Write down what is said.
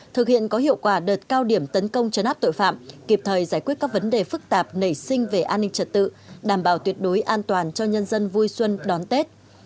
thực hiện có hiệu quả đợt cao điểm tấn công chấn áp tội phạm kịp thời giải quyết các vấn đề phức tạp nảy sinh về an ninh trật tự đảm bảo tuyệt đối an toàn cho nhân dân vui xuân đón tết